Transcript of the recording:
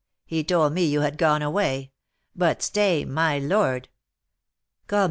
He told me you had gone away. But stay, my lord " "Call me M.